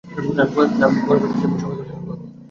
আমি বরফের নিচের সবাইকে শাসন করব।